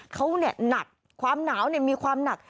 เขาหนักความหนาวมีความหนัก